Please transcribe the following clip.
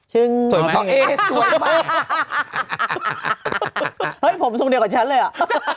เฮ้ยผมสูงเดียวกับฉันเลยอ่ะ